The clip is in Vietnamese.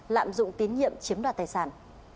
lạm dụng tín nhiệm chiếm đoạt tài sản